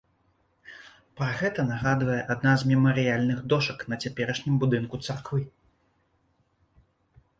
Пра гэта нагадвае адна з мемарыяльных дошак на цяперашнім будынку царквы.